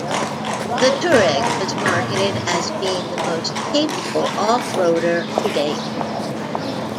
The Touareg was marketed as being the most capable off-roader to date.